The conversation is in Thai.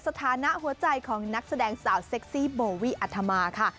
สถานะหัวใจของนักแสดงสาวเซ็กซี่โบวี่อัธมาค่ะ